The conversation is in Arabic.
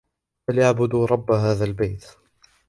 فَلْيَعْبُدُوا رَبَّ هَذَا الْبَيْتِ